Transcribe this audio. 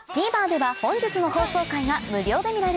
ＴＶｅｒでは本日の放送回が無料で見られます